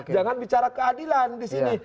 jangan bicara keadilan di sini